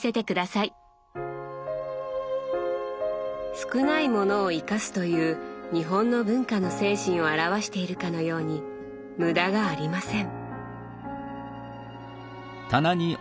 「少ないものを生かす」という日本の文化の精神を表しているかのように無駄がありません。